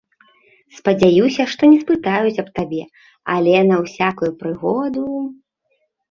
Спадзяюся, што не спытаюць аб табе, але на ўсякую прыгоду…